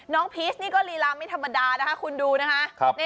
พีชนี่ก็ลีลาไม่ธรรมดานะคะคุณดูนะคะ